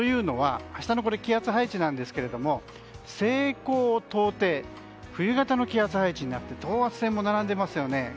明日の気圧配置なんですけど西高東低冬型の気圧配置になって等圧線も並んでいますよね。